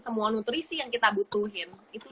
semua nutrisi yang kita butuhin itu